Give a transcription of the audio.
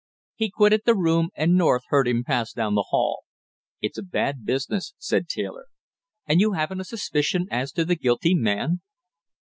He quitted the room and North heard him pass down the hall. "It's a bad business," said Taylor. "And you haven't a suspicion as to the guilty man?"